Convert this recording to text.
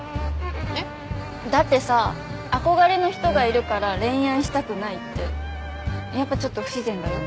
えっ？だってさ憧れの人がいるから恋愛したくないってやっぱちょっと不自然だよ。